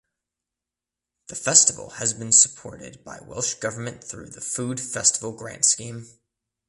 The festival has been supported by Welsh Government through the Food Festival Grant Scheme.